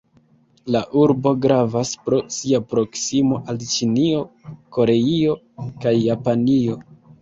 La urbo gravas pro sia proksimo al Ĉinio, Koreio kaj Japanio.